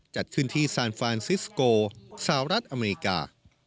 จัดขึ้นที่ซานฟานซิสโกสหรัฐอเมริกา